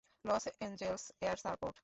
Loss Angeles air support?